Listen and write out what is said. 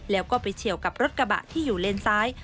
แล้วก็ไปเฉียวกับรถกระบะที่อยู่เลนซ้าย